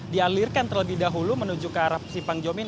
dialirkan terlebih dahulu menuju ke arah simpang jomin